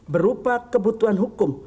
berupa kebutuhan hukum